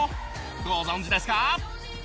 ご存じですか？